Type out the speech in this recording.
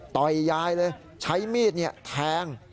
ยายเลยใช้มีดแทง